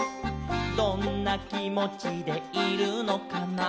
「どんなきもちでいるのかな」